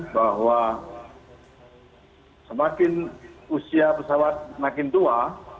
bahwa semakin usia pesawat semakin tua